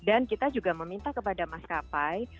dan kita juga meminta kepada maskapai